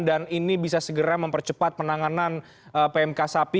dan ini bisa segera mempercepat penanganan pmk sapi